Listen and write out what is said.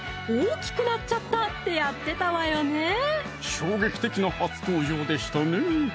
衝撃的な初登場でしたね